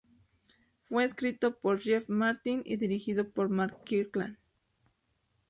Fue escrito por Jeff Martin y dirigido por Mark Kirkland.